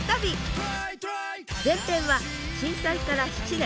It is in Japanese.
前編は震災から７年。